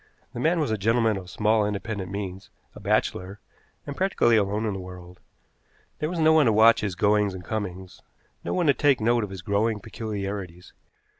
The man was a gentleman of small independent means, a bachelor, and practically alone in the world. There was no one to watch his goings and comings, no one to take note of his growing peculiarities.